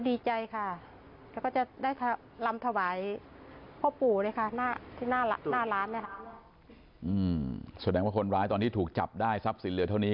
แสดงว่าคนร้ายตอนนี้ถูกจับได้ทรัพย์สินเหลือเท่านี้